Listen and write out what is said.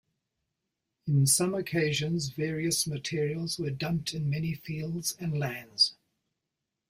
In some occasions, various materials were dumped in many fields and lands.